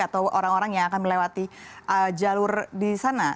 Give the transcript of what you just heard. atau orang orang yang akan melewati jalur di sana